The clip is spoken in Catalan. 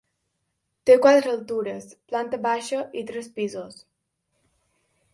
Té quatre altures, planta baixa i tres pisos.